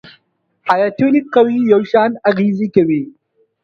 آیا ټولې قوې یو شان اغیزې کوي؟